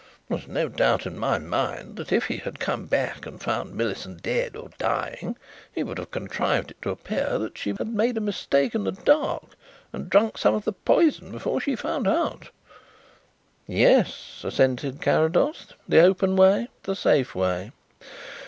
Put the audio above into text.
There is no doubt in my mind that if he had come back and found Millicent dead or dying he would have contrived it to appear that she had made a mistake in the dark and drunk some of the poison before she found out." "Yes," assented Carrados. "The open way; the safe way."